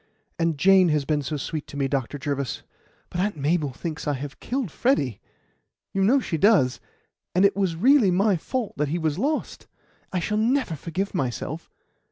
And Jane has been so sweet to me, Dr. Jervis; but Aunt Mabel thinks I have killed Freddy you know she does and it was really my fault that he was lost. I shall never forgive myself!"